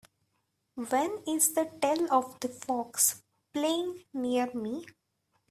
When is The Tale of the Fox playing near me